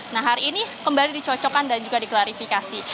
nah hari ini kembali dicocokkan dan juga diklarifikasi